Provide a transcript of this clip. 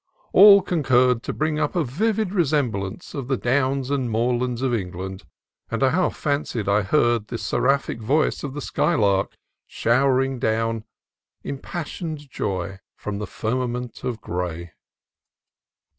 All concurred to bring up a vivid remembrance of the downs and moorlands of England; and I half fan cied I heard again the seraphic voice of the skylark, showering down impassioned joy from the firma ment of gray.